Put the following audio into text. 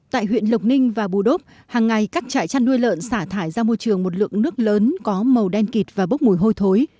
tại huyện lộc ninh và bù đốc hàng ngày các trại chăn nuôi lợn xả thải ra môi trường một lượng nước lớn có màu đen kịt và bốc mùi hôi thối